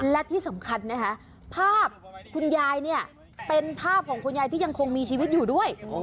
และที่สำคัญนะคะภาพคุณยายเนี่ยเป็นภาพของคุณยายที่ยังคงมีชีวิตอยู่ด้วย